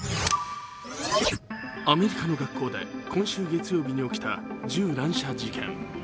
アメリカの学校で今週月曜日に起きた銃乱射事件。